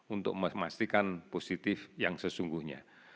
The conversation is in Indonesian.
untuk memastikan positif yang sesungguhnya